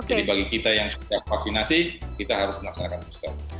jadi bagi kita yang sudah vaksinasi kita harus melaksanakan booster